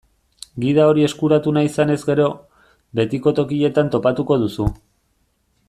Gida hori eskuratu nahi izanez gero, betiko tokietan topatuko duzu.